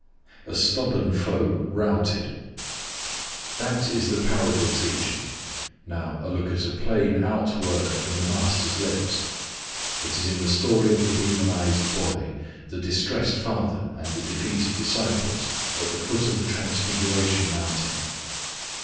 A Stubborn Foe Routed. That is the parable teaching. Now a look at a plain out word from the Master's lips. It is in the story of the demonized boy, the distressed father, and the defeated disciples, at the foot of the transfiguration mountain.